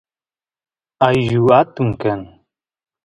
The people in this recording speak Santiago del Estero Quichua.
ayllu atun kan